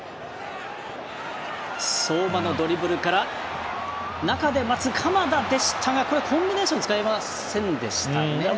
相馬のドリブルから中で待つ、鎌田でしたがコンビネーションを使えませんでしたね。